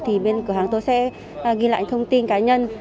thì bên cửa hàng tôi sẽ ghi lại thông tin cá nhân